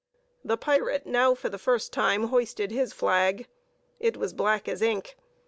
The pirate now for the first time hoisted his flag. It was black as ink.